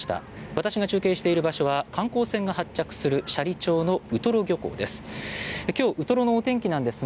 私が中継している場所は観光船が発着する斜里町のウトロ港です。